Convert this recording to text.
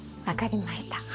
分かりました。